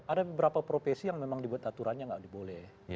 ada beberapa profesi yang memang dibuat aturannya nggak boleh